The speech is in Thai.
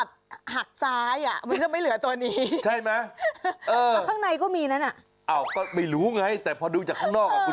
จริงเขาเชื่อไงมันเหลืออยู่แค่นี้